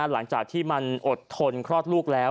หลังจากที่มันอดทนคลอดลูกแล้ว